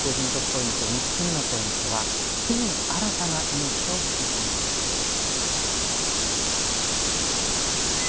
ポイント３つ目のポイントは「木に新たな命を吹き込む」です。